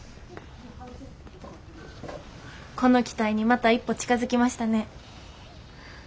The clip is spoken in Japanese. この機体にまた一歩近づきましたね。